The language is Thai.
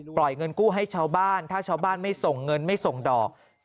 เงินกู้ให้ชาวบ้านถ้าชาวบ้านไม่ส่งเงินไม่ส่งดอก